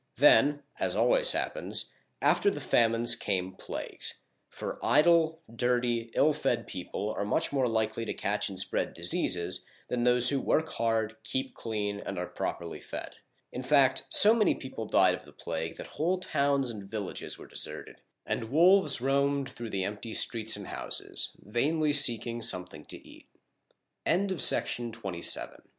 Then, as always happens, after the famines came plagues; for idle, dirty, ill fed people are much more likely to catch and spread diseases than those who work hard, keep clean, and are properly fed. In fact, so many people died of the plague that whole towns and villages were deserted, and wolves roamed through the empty streets and houses,